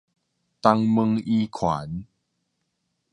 東門圓環